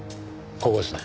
ここですね。